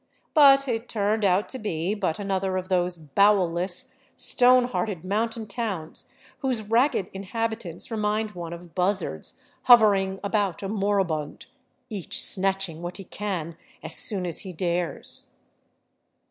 But it turned out to be but another of those bowelless, stone hearted mountain towns whose ragged inhabitants re mind one of buzzards hovering about a moribund, each snatching what he can, as soon as he dares.